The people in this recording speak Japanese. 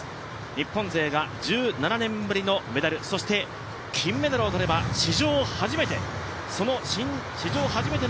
日本勢が１７年ぶりのメダルそして、金メダルをとれば史上初めて。